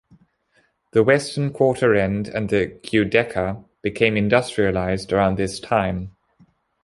The western quarter end and the Giudecca, became industrialised around this time.